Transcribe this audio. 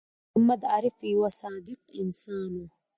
محمد عارف یوه صادق انسان دی